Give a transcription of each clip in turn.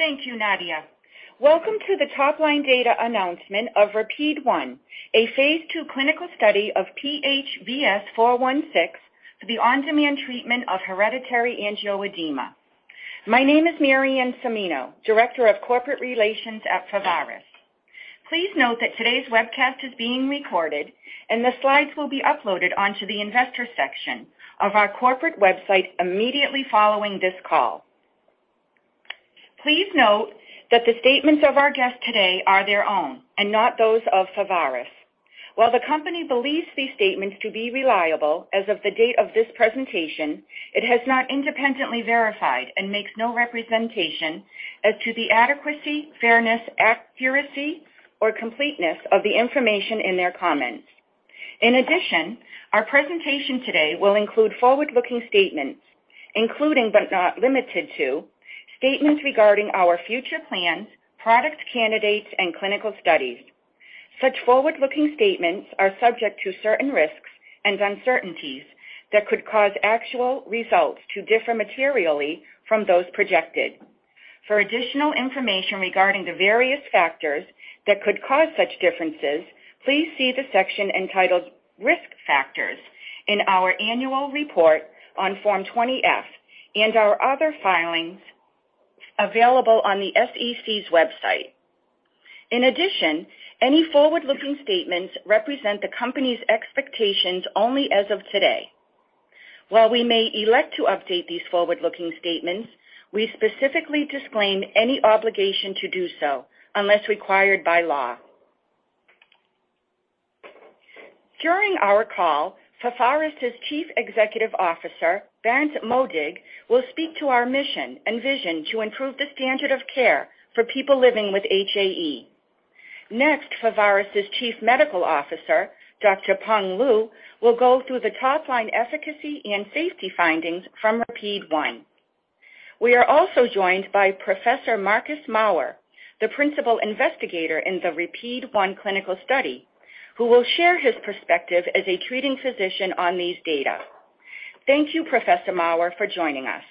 Thank you, Nadia. Welcome to the top line data announcement of RAPIDe-1, a phase II clinical study of PHVS416 for the on-demand treatment of hereditary angioedema. My name is Maryann Cimino, Director of Corporate Relations at Pharvaris. Please note that today's webcast is being recorded, and the slides will be uploaded onto the investor section of our corporate website immediately following this call. Please note that the statements of our guests today are their own, and not those of Pharvaris. While the company believes these statements to be reliable as of the date of this presentation, it has not independently verified and makes no representation as to the adequacy, fairness, accuracy, or completeness of the information in their comments. In addition, our presentation today will include forward-looking statements, including, but not limited to, statements regarding our future plans, product candidates and clinical studies. Such forward-looking statements are subject to certain risks and uncertainties that could cause actual results to differ materially from those projected. For additional information regarding the various factors that could cause such differences, please see the section entitled Risk Factors in our annual report on Form 20-F and our other filings available on the SEC's website. Any forward-looking statements represent the company's expectations only as of today. While we may elect to update these forward-looking statements, we specifically disclaim any obligation to do so unless required by law. During our call, Pharvaris's Chief Executive Officer, Berndt Modig, will speak to our mission and vision to improve the standard of care for people living with HAE. Pharvaris's Chief Medical Officer, Dr. Peng Lu, will go through the top line efficacy and safety findings from RAPIDe-1. We are also joined by Professor Marcus Maurer, the principal investigator in the RAPIDe-1 clinical study, who will share his perspective as a treating physician on these data. Thank you, Professor Maurer, for joining us.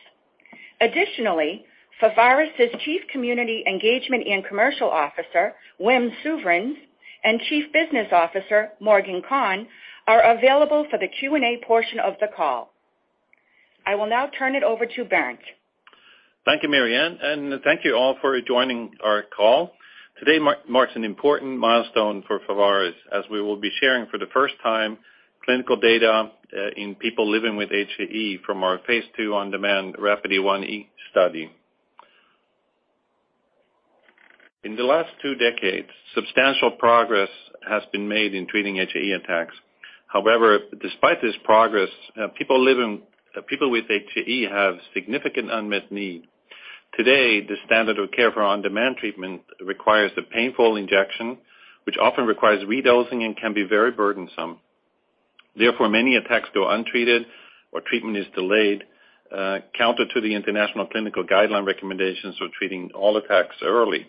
Additionally, Pharvaris's Chief Community Engagement and Commercial Officer, Wim Souverijns, and Chief Business Officer, Morgan Conn, are available for the Q&A portion of the call. I will now turn it over to Berndt. Thank you, Maryann, and thank you all for joining our call. Today marks an important milestone for Pharvaris as we will be sharing for the first time clinical data in people living with HAE from our phase II on-demand RAPIDe-1 study. In the last two decades, substantial progress has been made in treating HAE attacks. Despite this progress, people with HAE have significant unmet need. Today, the standard of care for on-demand treatment requires a painful injection, which often requires redosing and can be very burdensome. Many attacks go untreated or treatment is delayed, counter to the international clinical guideline recommendations for treating all attacks early.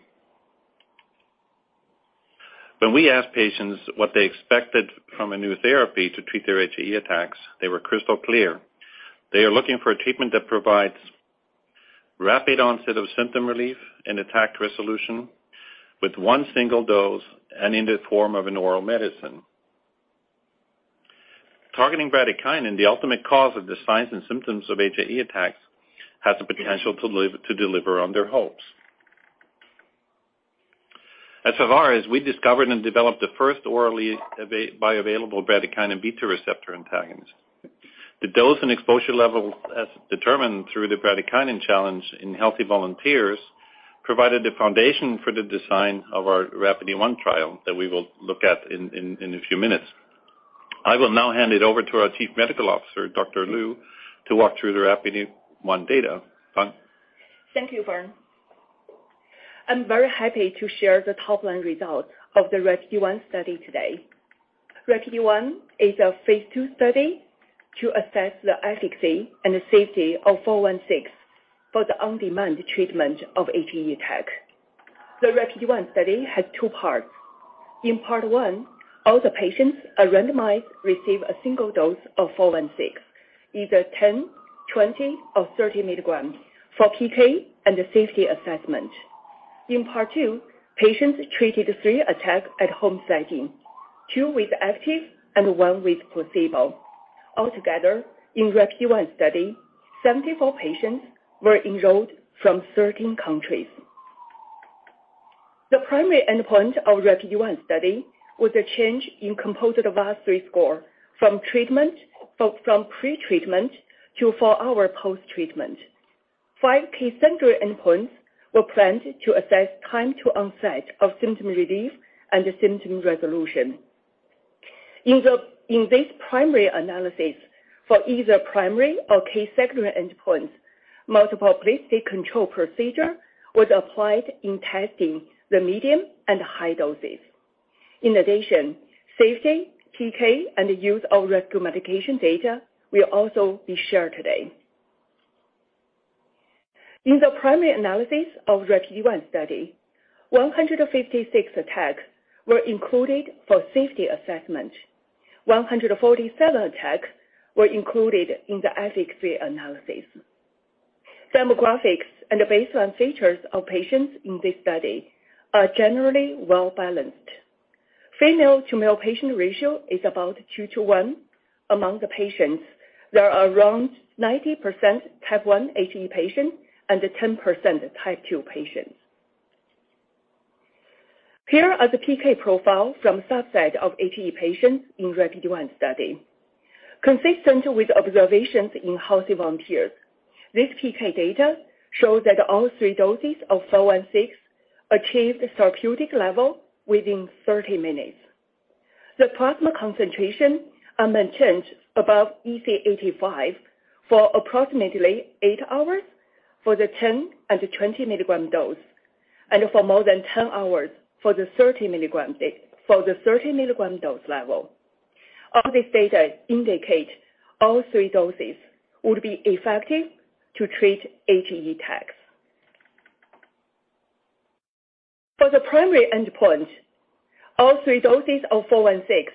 When we asked patients what they expected from a new therapy to treat their HAE attacks, they were crystal clear. They are looking for a treatment that provides rapid onset of symptom relief and attack resolution with one single dose and in the form of an oral medicine. Targeting bradykinin, the ultimate cause of the signs and symptoms of HAE attacks, has the potential to deliver on their hopes. At Pharvaris, we discovered and developed the first orally bioavailable bradykinin B2 receptor antagonist. The dose and exposure level, as determined through the bradykinin challenge in healthy volunteers, provided the foundation for the design of our RAPID-1 trial that we will look at in a few minutes. I will now hand it over to our Chief Medical Officer, Dr. Lu, to walk through the RAPID-1 data. Peng. Thank you, Berndt. I'm very happy to share the top-line results of the RAPIDe-1 study today. RAPIDe-1 is a phase II study to assess the efficacy and the safety of 416 for the on-demand treatment of HAE attack. The RAPIDe-1 study has two parts. In part 1, all the patients are randomized, receive a single dose of 416, either 10, 20, or 30 mg for PK and the safety assessment. In part 2, patients treated three attacks at home setting, two with active and one with placebo. Altogether, in RAPIDe-1 study, 74 patients were enrolled from 13 countries. The primary endpoint of RAPIDe-1 study was a change in composite VAS-3 score from pre-treatment to four hour post-treatment. Five key secondary endpoints were planned to assess time to onset of symptom relief and symptom resolution. In this primary analysis, for either primary or key secondary endpoints, multiple comparison procedure was applied in testing the medium and high doses. Safety, PK, and use of rescue medication data will also be shared today. In the primary analysis of RAPIDe-1 study, 156 attacks were included for safety assessment. 147 attacks were included in the efficacy analysis. Demographics and the baseline features of patients in this study are generally well balanced. Female to male patient ratio is about two to one. Among the patients, there are around 90% Type I HAE patients and 10% Type II patients. Here are the PK profile from subset of HAE patients in RAPIDe-1 study. Consistent with observations in healthy volunteers, this PK data shows that all three doses of PHVS416 achieved therapeutic level within 30 minutes. The plasma concentration are maintained above EC85 for approximately eight hours for the 10 and the 20 mg dose, and for more than 10 hours for the 30 mg dose level. All this data indicate all three doses would be effective to treat HAE attacks. For the primary endpoint, all three doses of 416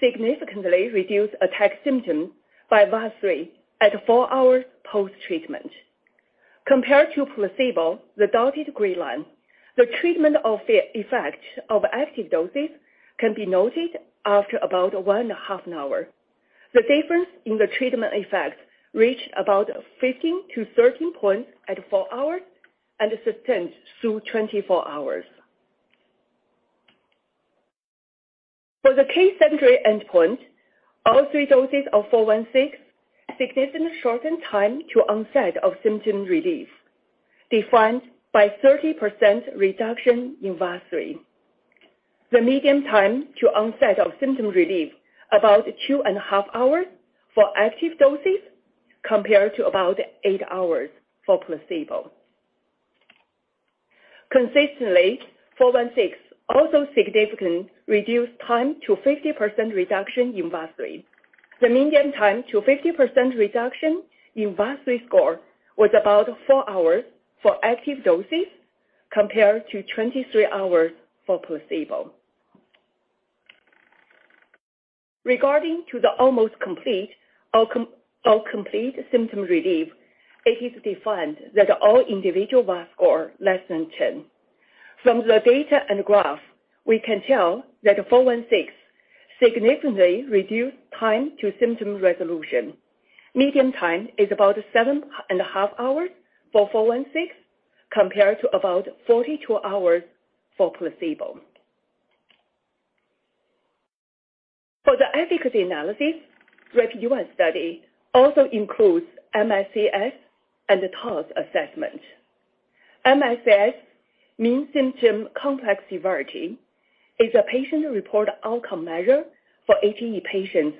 significantly reduced attack symptom by VAS-3 at four hours post-treatment. Compared to placebo, the dotted gray line, the treatment of the effect of active doses can be noted after about one and a half an hour. The difference in the treatment effect reached about 15 to 13 points at four hours and sustained through 24 hours. For the case century endpoint, all three doses of 416 significant shortened time to onset of symptom relief, defined by 30% reduction in VAS-3. The median time to onset of symptom relief about two and a half hours for active doses, compared to about eight hours for placebo. Consistently, PHVS416 also significantly reduced time to 50% reduction in VAS-3. The median time to 50% reduction in VAS-3 score was about four hours for active doses, compared to 23 hours for placebo. Regarding to the almost complete or complete symptom relief, it is defined that all individual VAS score less than 10. From the data and graph, we can tell that PHVS416 significantly reduced time to symptom resolution. Median time is about seven and a half hours for PHVS416, compared to about 42 hours for placebo. For the efficacy analysis, RAPIDe-1 study also includes MSCS and the TOS assessment. MSCS, Mean Symptom Complex Severity, is a patient-reported outcome measure for HAE patients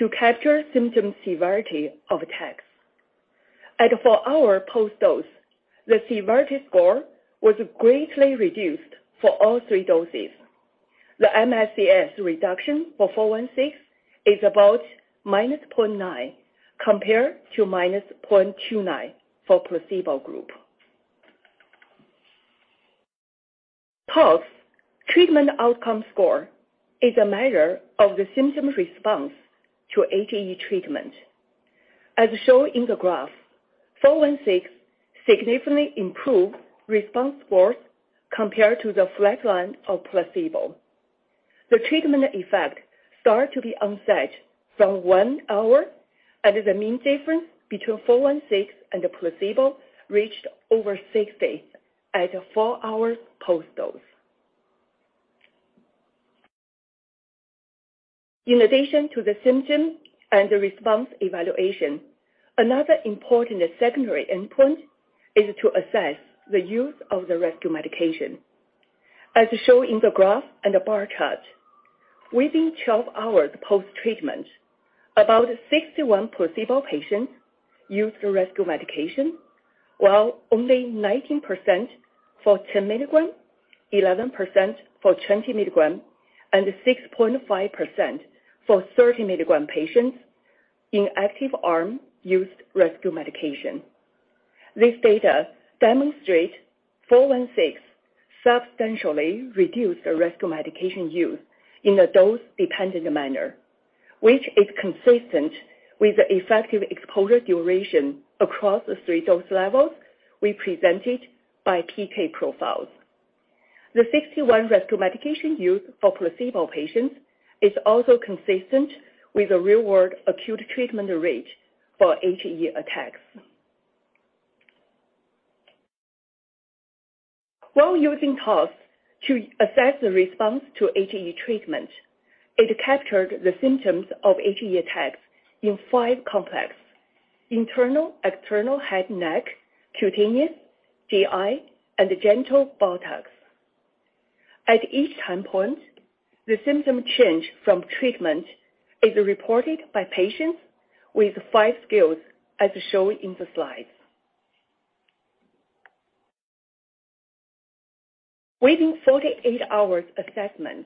to capture symptom severity of attacks. At four hour post-dose, the severity score was greatly reduced for all three doses. The MSCS reduction for PHVS416 is about -0.9, compared to -0.29 for placebo group. TOS, Treatment Outcome Score, is a measure of the symptom response to HAE treatment. As shown in the graph, PHVS416 significantly improved response scores compared to the flat line of placebo. The treatment effect start to be onset from one hour, and the mean difference between PHVS416 and the placebo reached over six days at a four hour post-dose. In addition to the symptom and the response evaluation, another important secondary endpoint is to assess the use of the rescue medication. As shown in the graph and the bar chart, within 12 hours post-treatment, about 61 placebo patients used the rescue medication, while only 19% for 10 mg, 11% for 20 milligram, and 6.5% for 30 mg patients in active arm used rescue medication. This data demonstrate PHVS416 substantially reduced the rescue medication use in a dose-dependent manner, which is consistent with the effective exposure duration across the three dose levels we presented by PK profiles. The 61 rescue medication used for placebo patients is also consistent with the real world acute treatment rate for HAE attacks. While using TOS to assess the response to HAE treatment, it captured the symptoms of HAE attacks in five complex: internal, external head/neck, cutaneous, GI, and genitourinary. At each time point, the symptom change from treatment is reported by patients with five scales as shown in the slides. Within 48 hours assessment,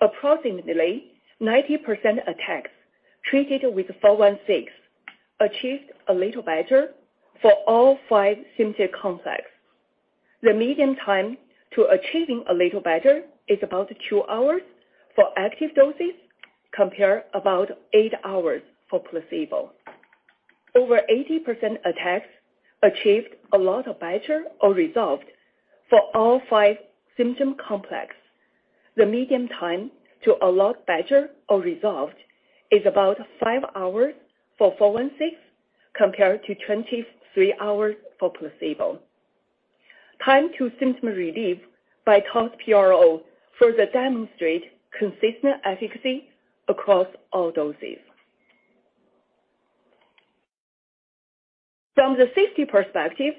approximately 90% attacks treated with 416 achieved a little better for all five symptom complex. The median time to achieving a little better is about two hours for active doses, compare about eight hours for placebo. Over 80% attacks achieved a lot of better or resolved for all five symptom complex. The median time to a lot better or resolved is about five hours for 416, compared to 23 hours for placebo. Time to symptom relief by COGS PRO further demonstrate consistent efficacy across all doses. From the safety perspective,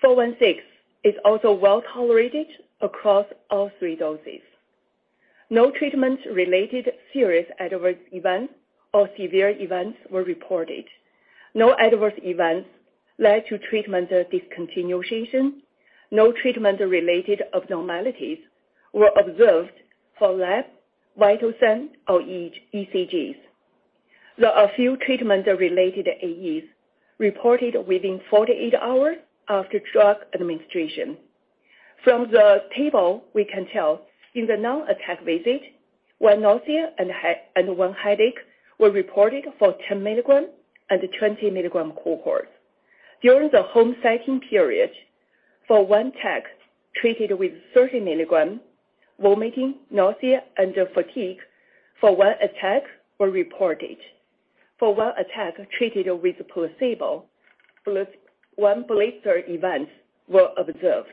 416 is also well-tolerated across all three doses. No treatment-related serious Adverse Events or severe events were reported. No Adverse Events led to treatment discontinuation. No treatment-related abnormalities were observed for lab, vital sign, or ECGs. There are a few treatment-related AEs reported within 48 hours after drug administration. From the table, we can tell in the non-attack visit, one nausea and one headache were reported for 10 mg and 20-mg cohort. During the home setting period, for one attack treated with 30 mg, vomiting, nausea, and fatigue for one attack were reported. For one attack treated with placebo, one blister event were observed.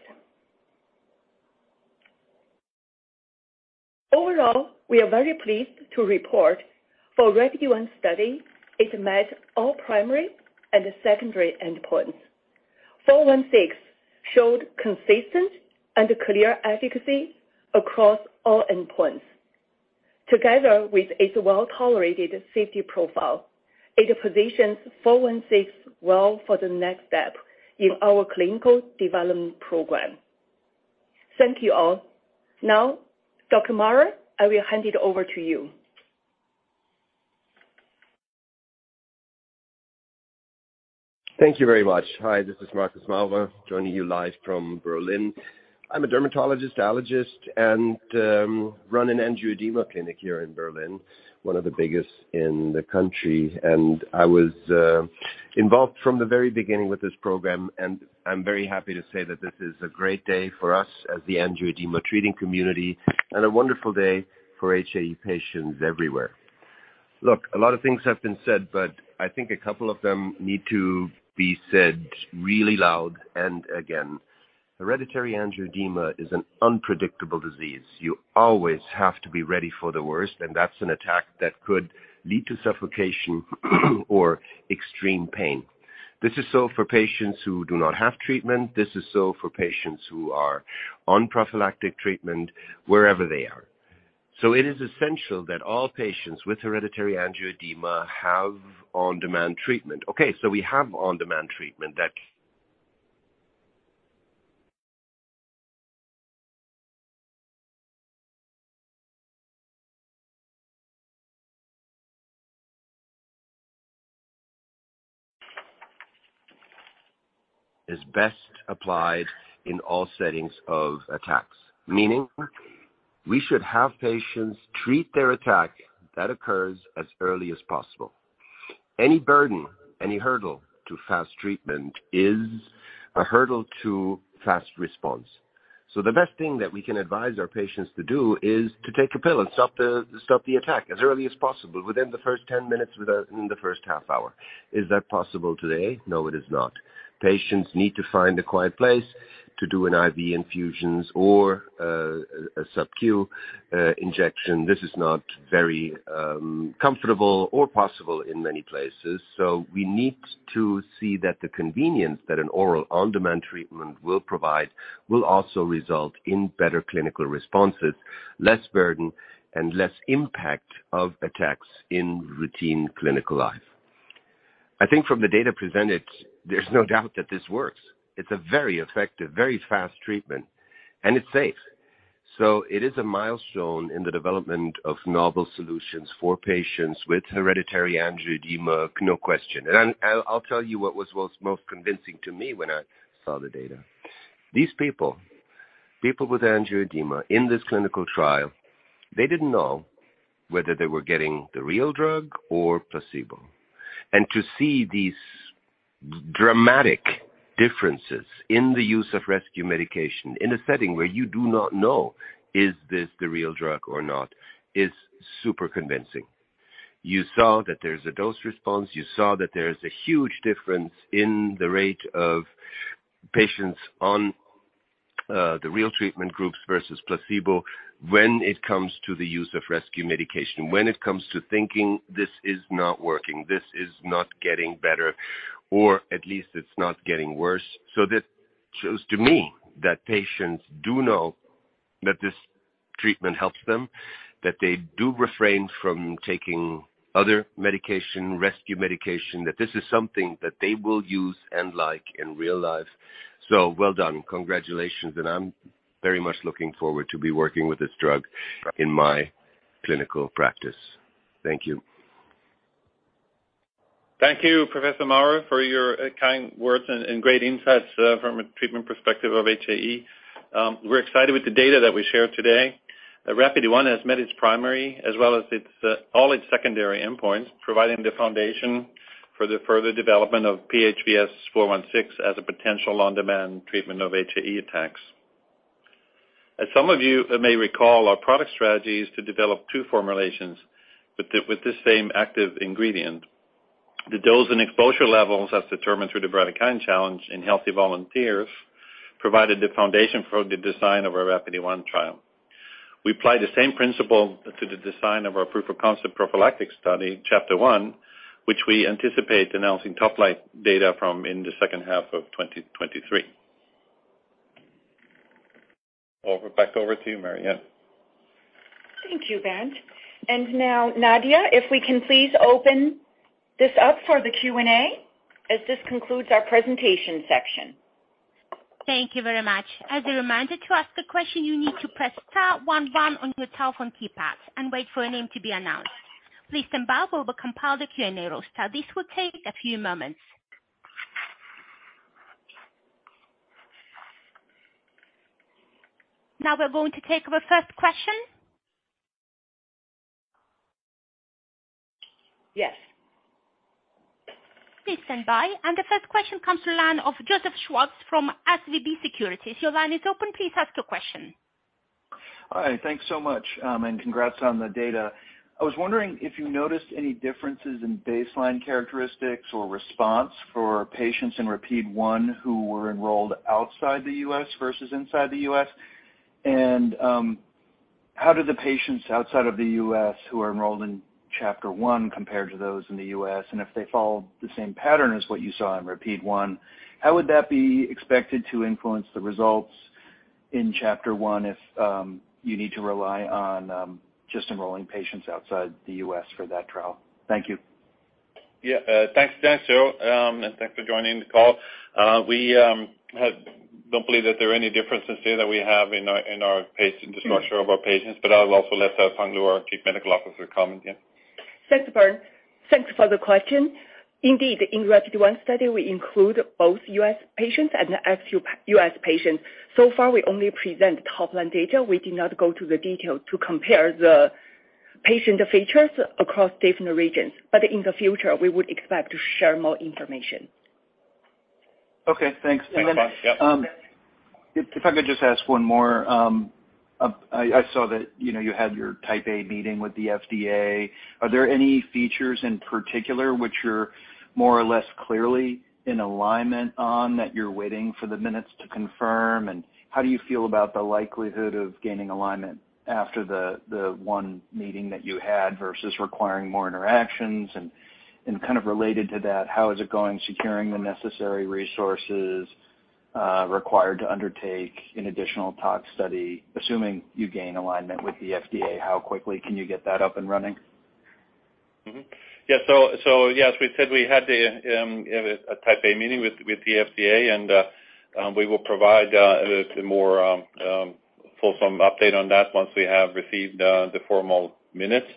Overall, we are very pleased to report for RAPIDe-1 study, it met all primary and secondary endpoints. 416 showed consistent and clear efficacy across all endpoints. Together with its well-tolerated safety profile, it positions 416 well for the next step in our clinical development program. Thank you all. Dr. Maurer, I will hand it over to you. Thank you very much. Hi, this is Marcus Maurer, joining you live from Berlin. I'm a dermatologist, allergist, and run an angioedema clinic here in Berlin, one of the biggest in the country. I was involved from the very beginning with this program, and I'm very happy to say that this is a great day for us as the angioedema treating community and a wonderful day for HAE patients everywhere. Look, a lot of things have been said, but I think a couple of them need to be said really loud and again. Hereditary angioedema is an unpredictable disease. You always have to be ready for the worst, and that's an attack that could lead to suffocation or extreme pain. This is so for patients who do not have treatment, this is so for patients who are on prophylactic treatment wherever they are. It is essential that all patients with hereditary angioedema have on-demand treatment. We have on-demand treatment that is best applied in all settings of attacks. Meaning we should have patients treat their attack that occurs as early as possible. Any burden, any hurdle to fast treatment is a hurdle to fast response. The best thing that we can advise our patients to do is to take a pill and stop the attack as early as possible within the first 10 minutes, within the first half hour. Is that possible today? No, it is not. Patients need to find a quiet place to do an IV infusions or a Sub-Q injection. This is not very comfortable or possible in many places. We need to see that the convenience that an oral on-demand treatment will provide will also result in better clinical responses, less burden, and less impact of attacks in routine clinical life. I think from the data presented, there's no doubt that this works. It's a very effective, very fast treatment, and it's safe. It is a milestone in the development of novel solutions for patients with hereditary angioedema. No question. I'll tell you what was most convincing to me when I saw the data. These people with angioedema in this clinical trial, they didn't know whether they were getting the real drug or placebo. To see these dramatic differences in the use of rescue medication in a setting where you do not know is this the real drug or not, is super convincing. You saw that there's a dose response. You saw that there is a huge difference in the rate of patients on the real treatment groups versus placebo when it comes to the use of rescue medication, when it comes to thinking, this is not working, this is not getting better, or at least it's not getting worse. This shows to me that patients do know that this treatment helps them, that they do refrain from taking other medication, rescue medication, that this is something that they will use and like in real life. Well done. Congratulations. And I'm very much looking forward to be working with this drug in my clinical practice. Thank you. Thank you, Professor Maurer, for your kind words and great insights from a treatment perspective of HAE. We're excited with the data that we shared today. The RAPIDe-1 has met its primary as well as all its secondary endpoints, providing the foundation for the further development of PHVS416 as a potential on-demand treatment of HAE attacks. As some of you may recall, our product strategy is to develop two formulations with the same active ingredient. The dose and exposure levels as determined through the bradykinin challenge in healthy volunteers provided the foundation for the design of our RAPIDe-1 trial. We applied the same principle to the design of our proof-of-concept prophylactic study, CHAPTER-1, which we anticipate announcing top line data from in the second half of 2023. Back over to you, Maryann. Thank you, Berndt. Now, Nadia, if we can please open this up for the Q&A, as this concludes our presentation section. Thank you very much. As a reminder, to ask a question, you need to press star one one on your telephone keypad and wait for a name to be announced. Please stand by while we compile the Q&A roster. This will take a few moments. Now we're going to take the first question. Yes. Please stand by. The first question comes to line of Joseph Schwartz from SVB Securities. Your line is open. Please ask your question. Hi. Thanks so much, and congrats on the data. I was wondering if you noticed any differences in baseline characteristics or response for patients in RAPIDe-1 who were enrolled outside the U.S. versus inside the U.S.? How do the patients outside of the U.S. who are enrolled in CHAPTER-1 compare to those in the U.S.? If they follow the same pattern as what you saw in RAPIDe-1, how would that be expected to influence the results in CHAPTER-1 if you need to rely on just enrolling patients outside the U.S. for that trial? Thank you. Yeah. Thanks, Joe. Thanks for joining the call. We don't believe that there are any differences there that we have in our patient structure. I'll also let Peng Lu, our Chief Medical Officer, comment. Yeah. Thanks, Berndt. Thanks for the question. Indeed, in RAPIDe-1 study, we include both U.S. patients and ex-U.S. patients. So far, we only present top-line data. We did not go to the detail to compare the patient features across different regions. In the future, we would expect to share more information. Okay, thanks. Thanks a lot. Peng. If I could just ask one more. I saw that, you know, you had your Type A meeting with the FDA. Are there any features in particular which are more or less clearly in alignment on that you're waiting for the minutes to confirm? How do you feel about the likelihood of gaining alignment after the one meeting that you had versus requiring more interactions? Kind of related to that, how is it going securing the necessary resources required to undertake an additional tox study? Assuming you gain alignment with the FDA, how quickly can you get that up and running? Yeah. Yes, we said we had a Type A meeting with the FDA, and we will provide the more fulsome update on that once we have received the formal minutes.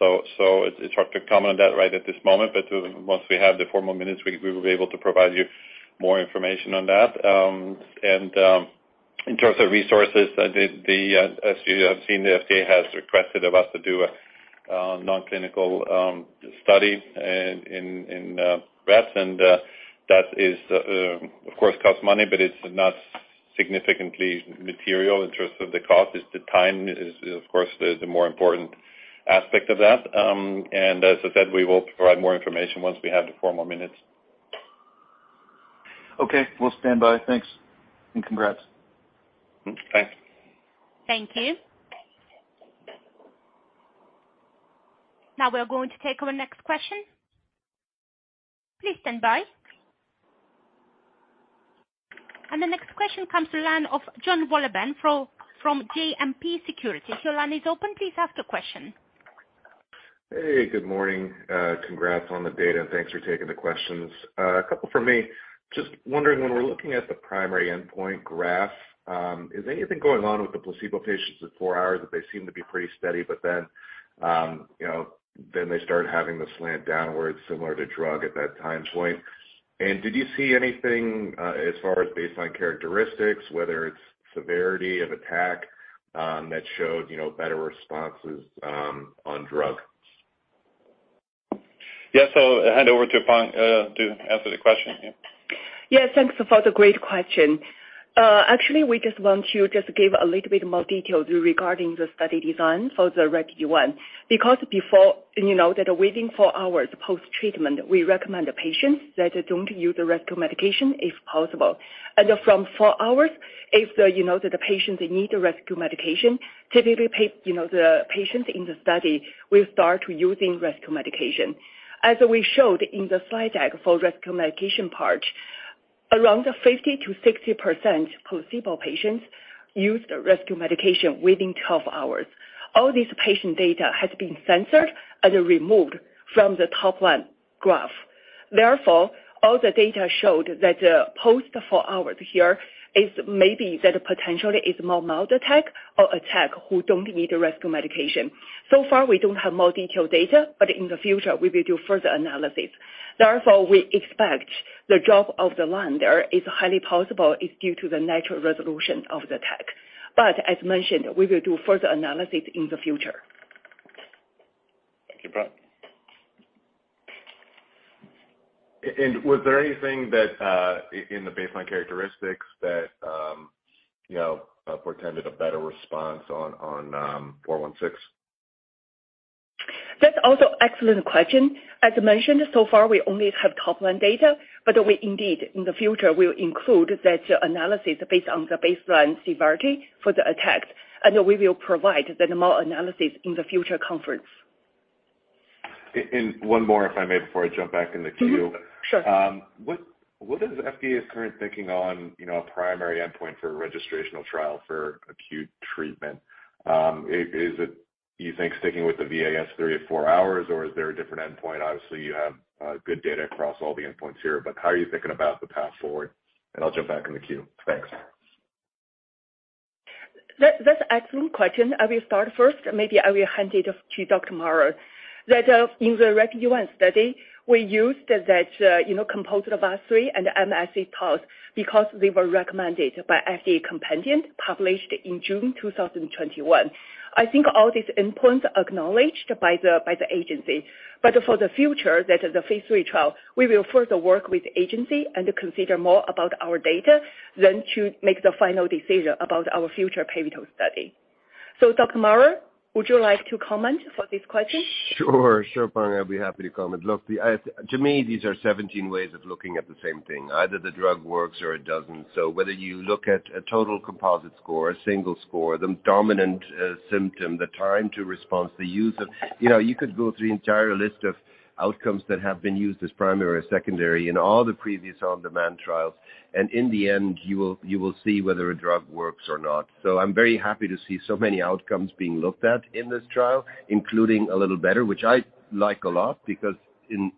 It's hard to comment on that right at this moment, but once we have the formal minutes, we will be able to provide you more information on that. And in terms of resources, as you have seen, the FDA has requested of us to do a non-clinical study in rats, and that is of course costs money, but it's not significantly material in terms of the cost. It's the time is of course the more important aspect of that. As I said, we will provide more information once we have the formal minutes. Okay. We'll stand by. Thanks and congrats. Thanks. Thank you. Now we are going to take our next question. Please stand by. The next question comes to line of Jonathan Wolleben from JMP Securities. Your line is open. Please ask your question. Hey, good morning. Congrats on the data, and thanks for taking the questions. A couple from me. Just wondering, when we're looking at the primary endpoint graph, is anything going on with the placebo patients at four hours that they seem to be pretty steady, but then, you know, then they start having the slant downwards similar to drug at that time point? Did you see anything, as far as baseline characteristics, whether it's severity of attack, that showed, you know, better responses, on drug? Yeah. I'll hand over to Peng Lu, to answer the question. Yeah. Yeah. Thanks for the great question. Actually, we want to give a little bit more details regarding the study design for the RAPIDe-1 because before, you know, that waiting four hours post-treatment, we recommend the patients that don't use the rescue medication if possible. From four hours, if, you know, the patients need a rescue medication, typically, you know, the patients in the study will start using rescue medication. As we showed in the slide deck for rescue medication part, around 50%-60% placebo patients used rescue medication within 12 hours. All this patient data has been censored and removed from the top-line graph. Therefore, all the data showed that post four hours here is maybe that potentially is more mild attack or attack who don't need rescue medication. So far, we don't have more detailed data, but in the future, we will do further analysis. Therefore, we expect the drop of the line there is highly possible is due to the natural resolution of the attack. As mentioned, we will do further analysis in the future. Thank you, Peng. Was there anything that in the baseline characteristics that, you know, portended a better response on 416? That's also excellent question. As mentioned, so far we only have top-line data, but we indeed in the future will include that analysis based on the baseline severity for the attacks, and we will provide the more analysis in the future conference. One more if I may before I jump back in the queue. Mm-hmm. Sure. What is FDA's current thinking on, you know, a primary endpoint for a registrational trial for acute treatment? Is it you think sticking with the VAS 30 at four hours or is there a different endpoint? Obviously, you have good data across all the endpoints here, but how are you thinking about the path forward? I'll jump back in the queue. Thanks. That's excellent question. I will start first, maybe I will hand it off to Dr. Maurer. In the RAPIDe-1 study, we used that, you know, composite of VAS-3 and MSCS scores because they were recommended by FDA companion published in June 2021. I think all these endpoints acknowledged by the agency. For the future, that is the phase III trial, we will further work with agency and consider more about our data to make the final decision about our future pivotal study. Dr. Maurer, would you like to comment for this question? Sure. Sure, Peng. I'll be happy to comment. Look, To me, these are 17 ways of looking at the same thing. Either the drug works or it doesn't. Whether you look at a total composite score, a single score, the dominant, symptom, the time to response, the use of... You know, you could go through the entire list of outcomes that have been used as primary or secondary in all the previous on-demand trials, and in the end, you will see whether a drug works or not. I'm very happy to see so many outcomes being looked at in this trial, including a little better, which I like a lot because in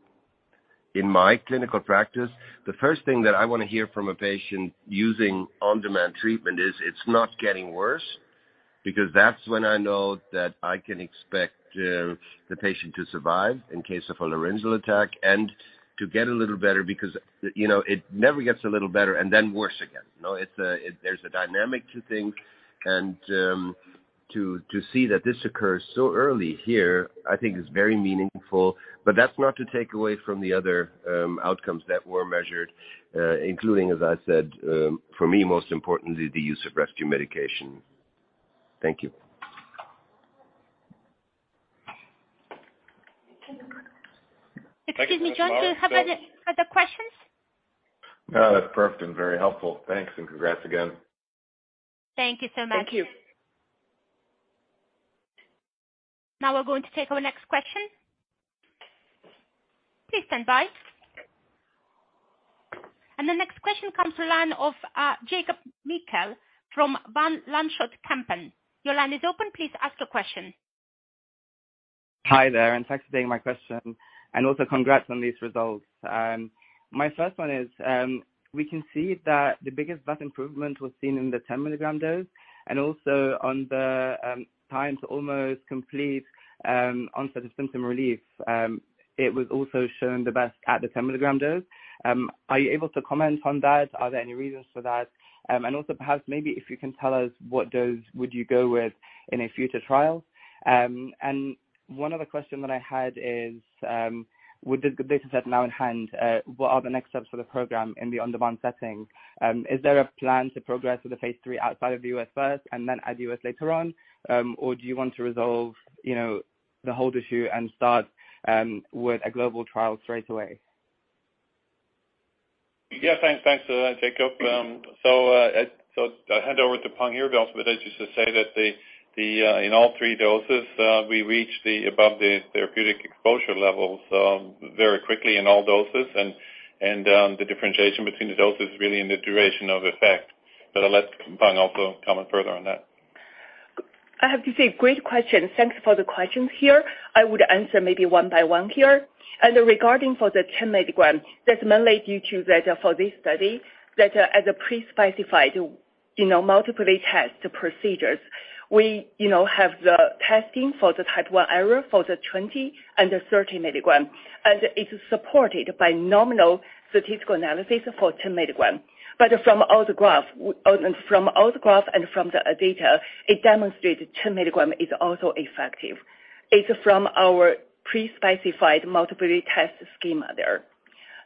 my clinical practice, the first thing that I want to hear from a patient using on-demand treatment is it's not getting worse because that's when I know that I can expect the patient to survive in case of a laryngeal attack and to get a little better because, you know, it never gets a little better and then worse again. You know. There's a dynamic to things and to see that this occurs so early here I think is very meaningful. That's not to take away from the other outcomes that were measured, including, as I said, for me, most importantly, the use of rescue medication. Thank you. Excuse me, Jon, do you have any other questions? No, that's perfect and very helpful. Thanks, and congrats again. Thank you so much. Thank you. Now we're going to take our next question. Please stand by. The next question comes to line of Jacob Mekhael from Van Lanschot Kempen. Your line is open. Please ask your question. Hi there, thanks for taking my question. Also congrats on these results. My first one is, we can see that the biggest VAS improvement was seen in the 10 mg dose, and also on the time to almost complete onset of symptom relief, it was also shown the best at the 10-mg dose. Are you able to comment on that? Are there any reasons for that? Also perhaps maybe if you can tell us what dose would you go with in a future trial. One other question that I had is, with the data set now in hand, what are the next steps for the program in the on-demand setting? Is there a plan to progress with the phase III outside of the U.S. first and then add U.S. later on? Do you want to resolve, you know, the hold issue and start with a global trial straight away? Yeah. Thanks. Thanks for that, Jacob. I hand over to Peng here, but I just to say that in all three doses, we reached the above the therapeutic exposure levels very quickly in all doses and the differentiation between the doses is really in the duration of effect. I'll let Peng also comment further on that. I have to say, great question. Thanks for the questions here. I would answer maybe one by one here. Regarding for the 10 mg, that's mainly due to that for this study, that as a pre-specified, you know, multiple test procedures, we, you know, have the testing for the 20 and the 30 mg, and it's supported by nominal statistical analysis for 10 mg. From all the graph and from the data, it demonstrated 10 mg is also effective. It's from our pre-specified multiple test schema there.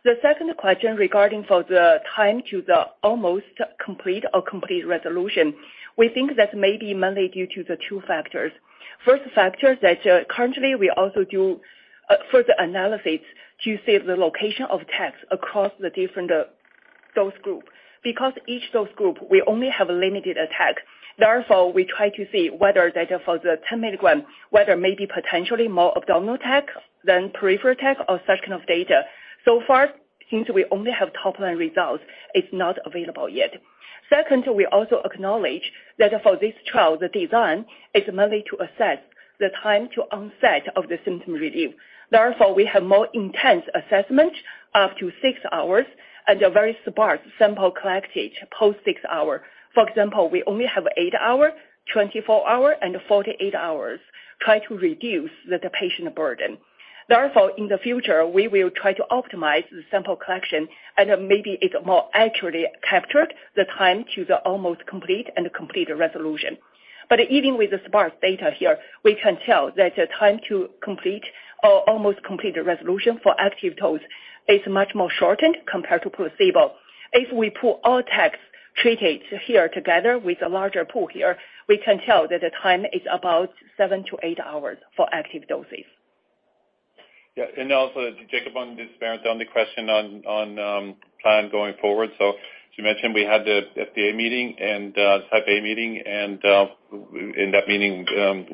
The second question regarding for the time to the almost complete or complete resolution, we think that may be mainly due to the two factors. First factor is that, currently we also do further analysis to see the location of attacks across the different dose group. Each dose group, we only have a limited attack. We try to see whether data for the 10 mg, whether maybe potentially more abdominal attack than peripheral attack or such kind of data. Since we only have top-line results, it's not available yet. Second, we also acknowledge that for this trial, the design is mainly to assess the time to onset of the symptom relief. We have more intense assessment up to six hours and a very sparse sample collected post six hours. For example, we only have eight hours, 24 hours and 48 hours try to reduce the patient burden. In the future, we will try to optimize the sample collection and maybe it more accurately captured the time to the almost complete and complete resolution. Even with the sparse data here, we can tell that the time to complete or almost complete resolution for active dose is much more shortened compared to placebo. If we put all tasks treated here together with a larger pool here, we can tell that the time is about seven to eight hours for active doses. Yeah. Also Jacob on this parent, on the question on plan going forward. As you mentioned, we had the FDA meeting and Type A meeting and in that meeting,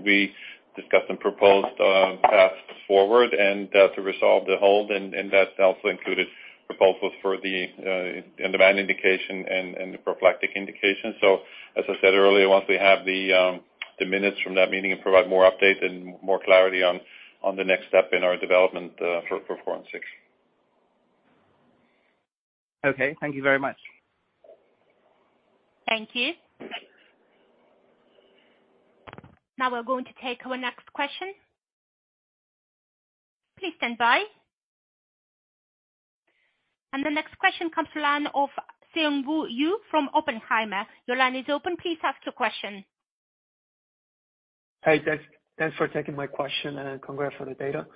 we discussed and proposed paths forward and to resolve the hold, and that also included proposals for the on-demand indication and the prophylactic indication. As I said earlier, once we have the minutes from that meeting and provide more updates and more clarity on the next step in our development for 416. Okay. Thank you very much. Thank you. Now we're going to take our next question. Please stand by. The next question comes to line of Seongwoo Yoo from Oppenheimer. Your line is open. Please ask your question. Hi, thanks. Thanks for taking my question and congrats on the data.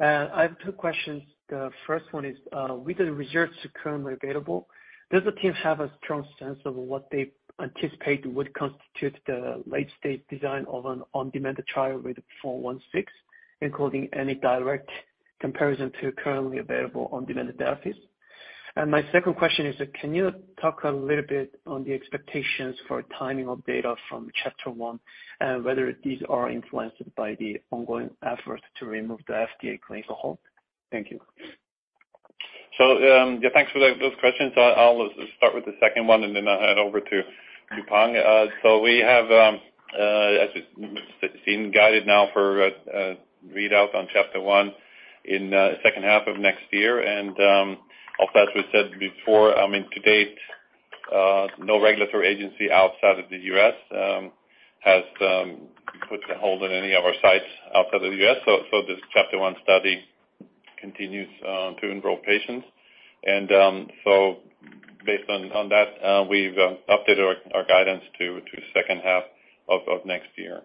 I have two questions. The first one is, with the results currently available, does the team have a strong sense of what they anticipate would constitute the late-stage design of an on-demand trial with 416, including any direct comparison to currently available on-demand therapies? My second question is, can you talk a little bit on the expectations for timing of data from CHAPTER-1, whether these are influenced by the ongoing efforts to remove the FDA clinical hold? Thank you. Yeah, thanks for those questions. I'll start with the second one, then I'll hand over to Peng. We have, as you've seen, guided now for a readout on CHAPTER-1 in second half of next year. Also, as we said before, I mean, to date, no regulatory agency outside of the U.S. has put a hold on any of our sites outside the U.S. This CHAPTER-1 study continues to enroll patients. Based on that, we've updated our guidance to second half of next year.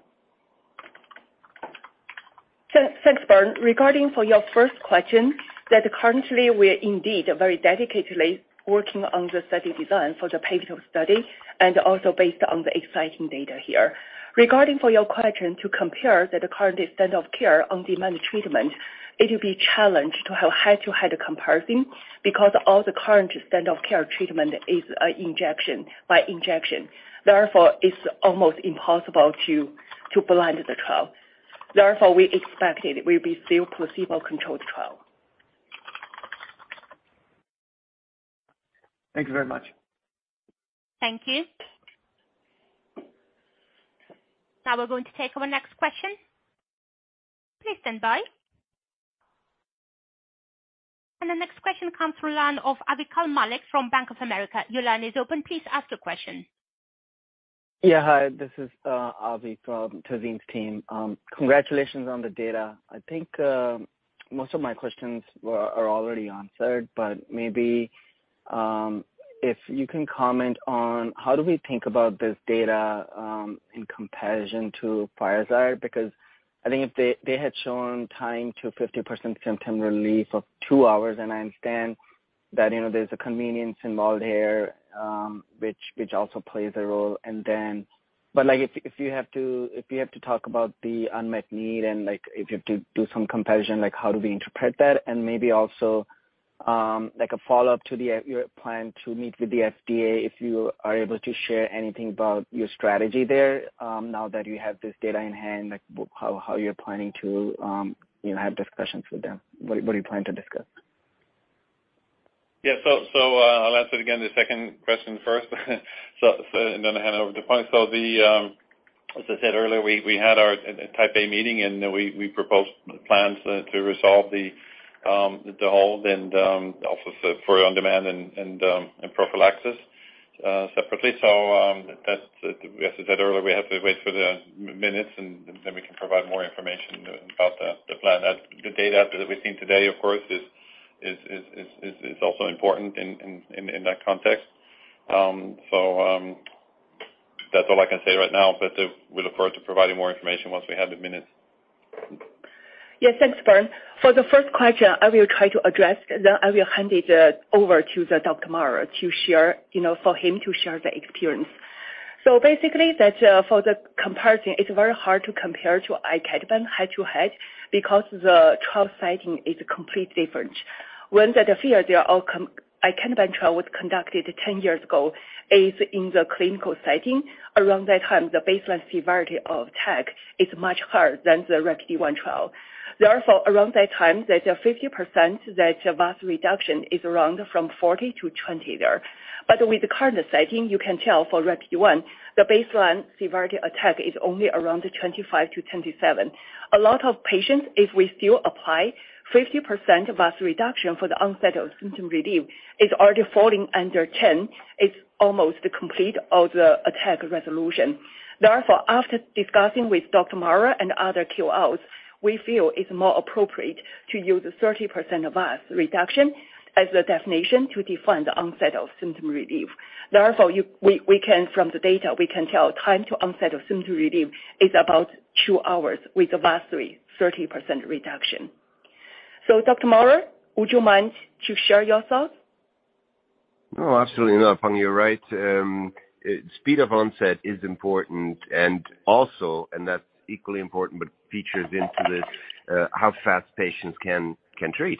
Thanks, thanks, Berndt. Regarding for your first question, that currently we are indeed very dedicatedly working on the study design for the pivotal study and also based on the exciting data here. Regarding for your question to compare the current standard of care on-demand treatment, it will be challenged to have head-to-head comparison because all the current standard of care treatment is injection by injection. It's almost impossible to blind the trial. We expect it will be still placebo-controlled trial. Thank you very much. Thank you. Now we're going to take our next question. Please stand by. The next question comes through line of Tazeen Ahmad from Bank of America. Your line is open. Please ask your question. Yeah. Hi, this is Avi from Tazeen's team. Congratulations on the data. I think most of my questions are already answered, but maybe, if you can comment on how do we think about this data, in comparison to Firazyr? I think if they had shown time to 50% symptom relief of two hours, and I understand that, you know, there's a convenience involved here, which also plays a role. Like if you have to talk about the unmet need and like if you have to do some comparison, like how do we interpret that? Maybe also, like a follow-up to the, your plan to meet with the FDA, if you are able to share anything about your strategy there, now that you have this data in hand, like how you're planning to, you know, have discussions with them. What do you plan to discuss? Yeah. I'll answer again the second question first, and then I hand it over to Peng. As I said earlier, we had our Type A meeting, and we proposed plans to resolve the hold and also for on-demand and prophylaxis separately. That's, as I said earlier, we have to wait for the minutes and then we can provide more information about the plan. As the data that we've seen today, of course, is also important in that context. That's all I can say right now. We look forward to providing more information once we have the minutes. Yes, thanks, Berndt. For the first question, I will try to address, then I will hand it over to the Dr. Maurer to share, you know, for him to share the experience. Basically that, for the comparison, it's very hard to compare to icatibant head-to-head because the trial setting is completely different. When the Firazyr, they are all a clinical trial was conducted 10 years ago, is in the clinical setting. Around that time, the baseline severity of attack is much higher than the RAPIDe-1 trial. Around that time, there's a 50% that VAS reduction is around from 40-20 there. With the current setting, you can tell for RAPIDe-1, the baseline severity attack is only around 25-27. A lot of patients, if we still apply 50% VAS reduction for the onset of symptom relief, is already falling under 10. It's almost complete of the attack resolution. Therefore, after discussing with Dr. Maurer and other KOLs, we feel it's more appropriate to use 30% of VAS reduction as a definition to define the onset of symptom relief. Therefore, from the data, we can tell time to onset of symptom relief is about two hours with a VAS-3, 30% reduction. Dr. Maurer, would you mind to share your thoughts? No, absolutely not. Peng, you're right. speed of onset is important and also, and that's equally important, but features into this, how fast patients can treat.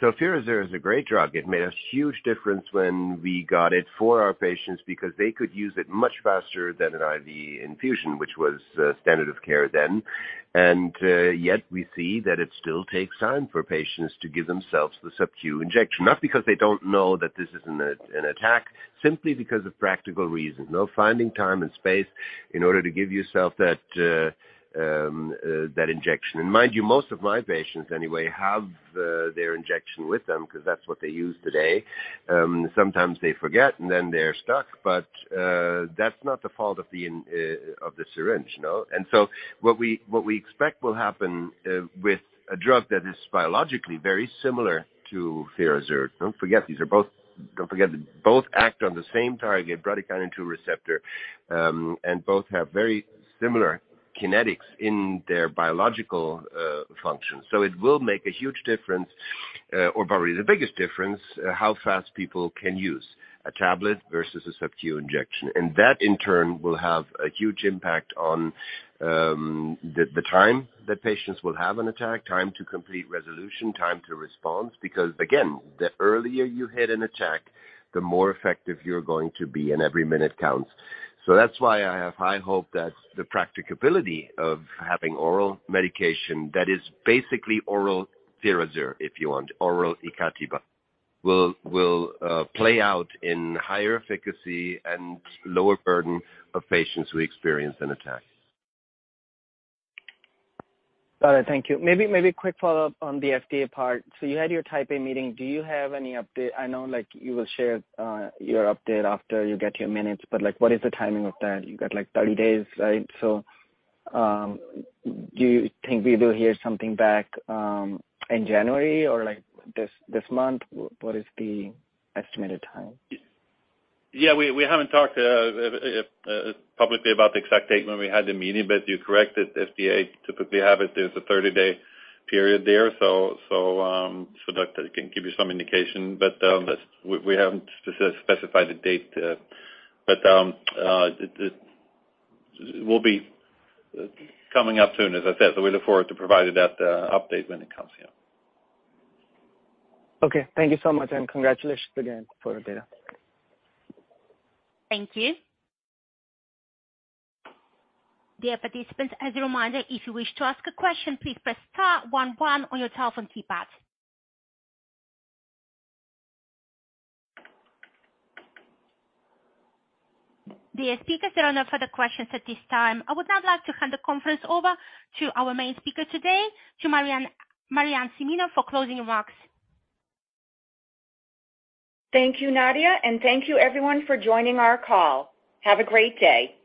Firazyr is a great drug. It made a huge difference when we got it for our patients because they could use it much faster than an IV infusion, which was standard of care then. Yet we see that it still takes time for patients to give themselves the Sub-Q injection. Not because they don't know that this is an attack, simply because of practical reasons. You know, finding time and space in order to give yourself that injection. Mind you, most of my patients anyway, have their injection with them 'cause that's what they use today. sometimes they forget and then they're stuck. That's not the fault of the syringe, you know. What we expect will happen with a drug that is biologically very similar to Firazyr, don't forget they both act on the same target, bradykinin B2 receptor, and both have very similar kinetics in their biological function. It will make a huge difference, or probably the biggest difference, how fast people can use a tablet versus a Sub-Q injection. That in turn will have a huge impact on the time that patients will have an attack, time to complete resolution, time to response, because again, the earlier you hit an attack, the more effective you're going to be, and every minute counts. That's why I have high hope that the practicability of having oral medication that is basically oral Firazyr, if you want, oral icatibant, will play out in higher efficacy and lower burden of patients who experience an attack. All right. Thank you. Maybe a quick follow-up on the FDA part. You had your Type A meeting. Do you have any update? I know you will share your update after you get your minutes, what is the timing of that? You got 30 days, right? Do you think we will hear something back in January or this month? What is the estimated time? We haven't talked publicly about the exact date when we had the meeting, but you're correct that FDA typically have it as a 30-day period there, that I can give you some indication. We haven't specified a date. It will be coming up soon, as I said. We look forward to providing that update when it comes here. Okay. Thank you so much, and congratulations again for your data. Thank you. Dear participants, as a reminder, if you wish to ask a question, please press star one one on your telephone keypad. Dear speakers, there are no further questions at this time. I would now like to hand the conference over to our main speaker today, to Maryann Cimino, for closing remarks. Thank you, Nadia, and thank you everyone for joining our call. Have a great day.